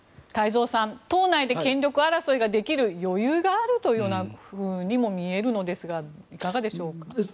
太蔵さん党内で権力争いができる余裕があるとも見えるのですがいかがでしょうか？